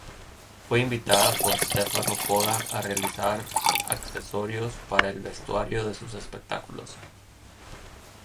Fue invitada por Stefano Poda a realizar accesorios para el vestuario de sus espectáculos.